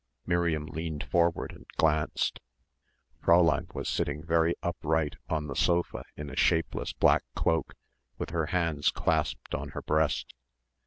Miriam leaned forward and glanced. Fräulein was sitting very upright on the sofa in a shapeless black cloak with her hands clasped on her breast.